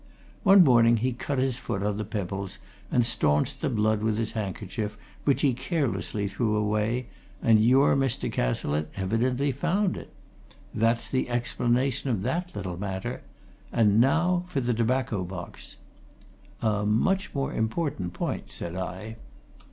One morning he cut his foot on the pebbles, and staunched the blood with his handkerchief, which he carelessly threw away and your Mr. Cazalette evidently found it. That's the explanation of that little matter. And now for the tobacco box." "A much more important point," said I.